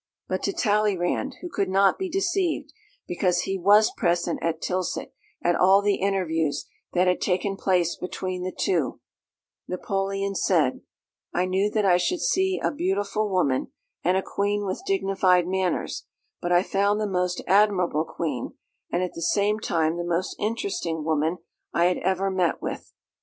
But to Talleyrand, who could not be deceived, because he was present at Tilsit at all the interviews that had taken place between the two, Napoleon said, "I knew that I should see a beautiful woman, and a Queen with dignified manners, but I found the most admirable Queen, and at the same time the most interesting woman I had ever met with."